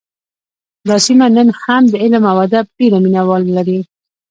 دا سیمه نن هم د علم او ادب ډېر مینه وال لري